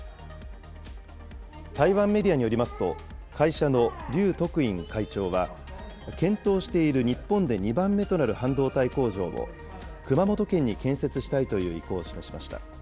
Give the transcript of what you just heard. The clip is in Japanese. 台湾メディアによりますと、会社の劉徳音会長は、検討している日本で２番目となる半導体工場も熊本県に建設したいという意向を示しました。